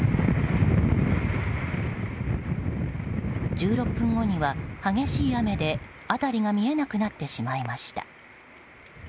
１６分後には激しい雨で辺りが見えなくなってしまいました。